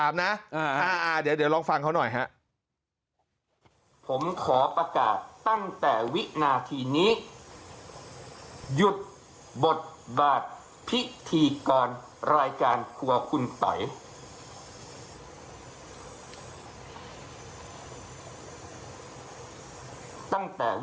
เดี๋ยวลองฟังเขาหน่อยฮะ